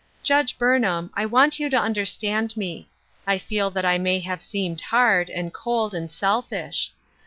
"Judge Burnham, I want you to understand me ; I feel that I may have seemed hard, and cold, and selfish.